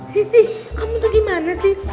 sisi kamu itu gimana sih